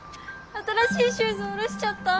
新しいシューズおろしちゃった。